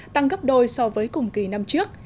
tăng gấp đôi so với cùng kỳ năm trước